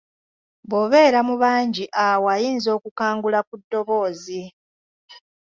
Bw’obeera mu bangi awo ayinza okukangula ku ddoboozi.